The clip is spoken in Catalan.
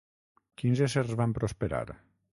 Quins éssers van prosperar?